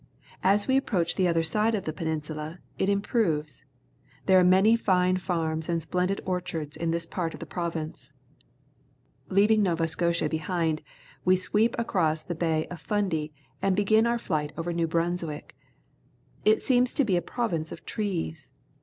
As we approach the other side of the peninsula, it improves. There are many fine farms and splendid orchards in this part of the province. Leaving No\a Scotia behind, we sweep across the Bay of Fundy and begin our flight over Neic Brunswick. It seems to be a province of trees.